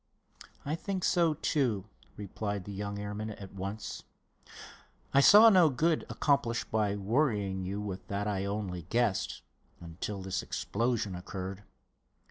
"I think so, too," replied the young airman at once. "I saw no good accomplished by worrying you with that I only guessed, until this explosion occurred.